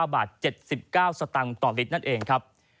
บาท๗๙สตางค์ต่อลิตรนั่นเองครับ